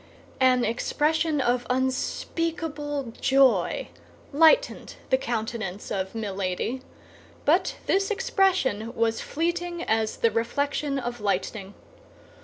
An expression of unspeakable joy lightened the countenance of Milady; but this expression was fleeting as the reflection of lightning.